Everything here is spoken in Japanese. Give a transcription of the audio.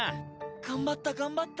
頑張った頑張った。